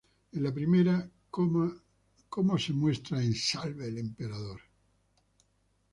En la primera, como se muestra en "¡Salve al emperador!